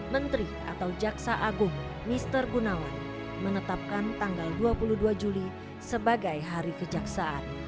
menteri atau jaksa agung mister gunawan menetapkan tanggal dua puluh dua juli sebagai hari kejaksaan